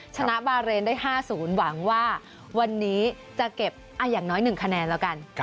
ชนะบาเรนได้๕๐หวังว่าวันนี้จะเก็บอย่างน้อย๑คะแนนแล้วกัน